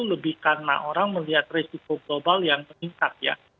lebih karena orang melihat resiko global yang meningkat ya